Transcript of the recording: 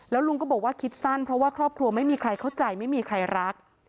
ลุงก็บอกว่าคิดสั้นเพราะว่าครอบครัวไม่มีใครเข้าใจไม่มีใครรัก